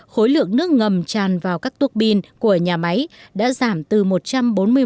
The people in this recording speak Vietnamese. khối lượng nước ngầm tràn vào các tuốc pin của nhà máy đã giảm từ một trăm bốn mươi một tấn xuống một trăm ba mươi hai tấn mỗi ngày